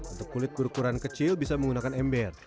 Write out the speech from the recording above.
untuk kulit berukuran kecil bisa menggunakan ember